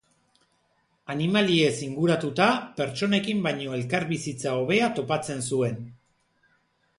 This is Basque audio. Animaliez inguratuta pertsonekin baino elkarbizitza hobea topatzen zuen.